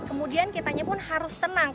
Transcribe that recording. kemudian kitanya pun harus tenang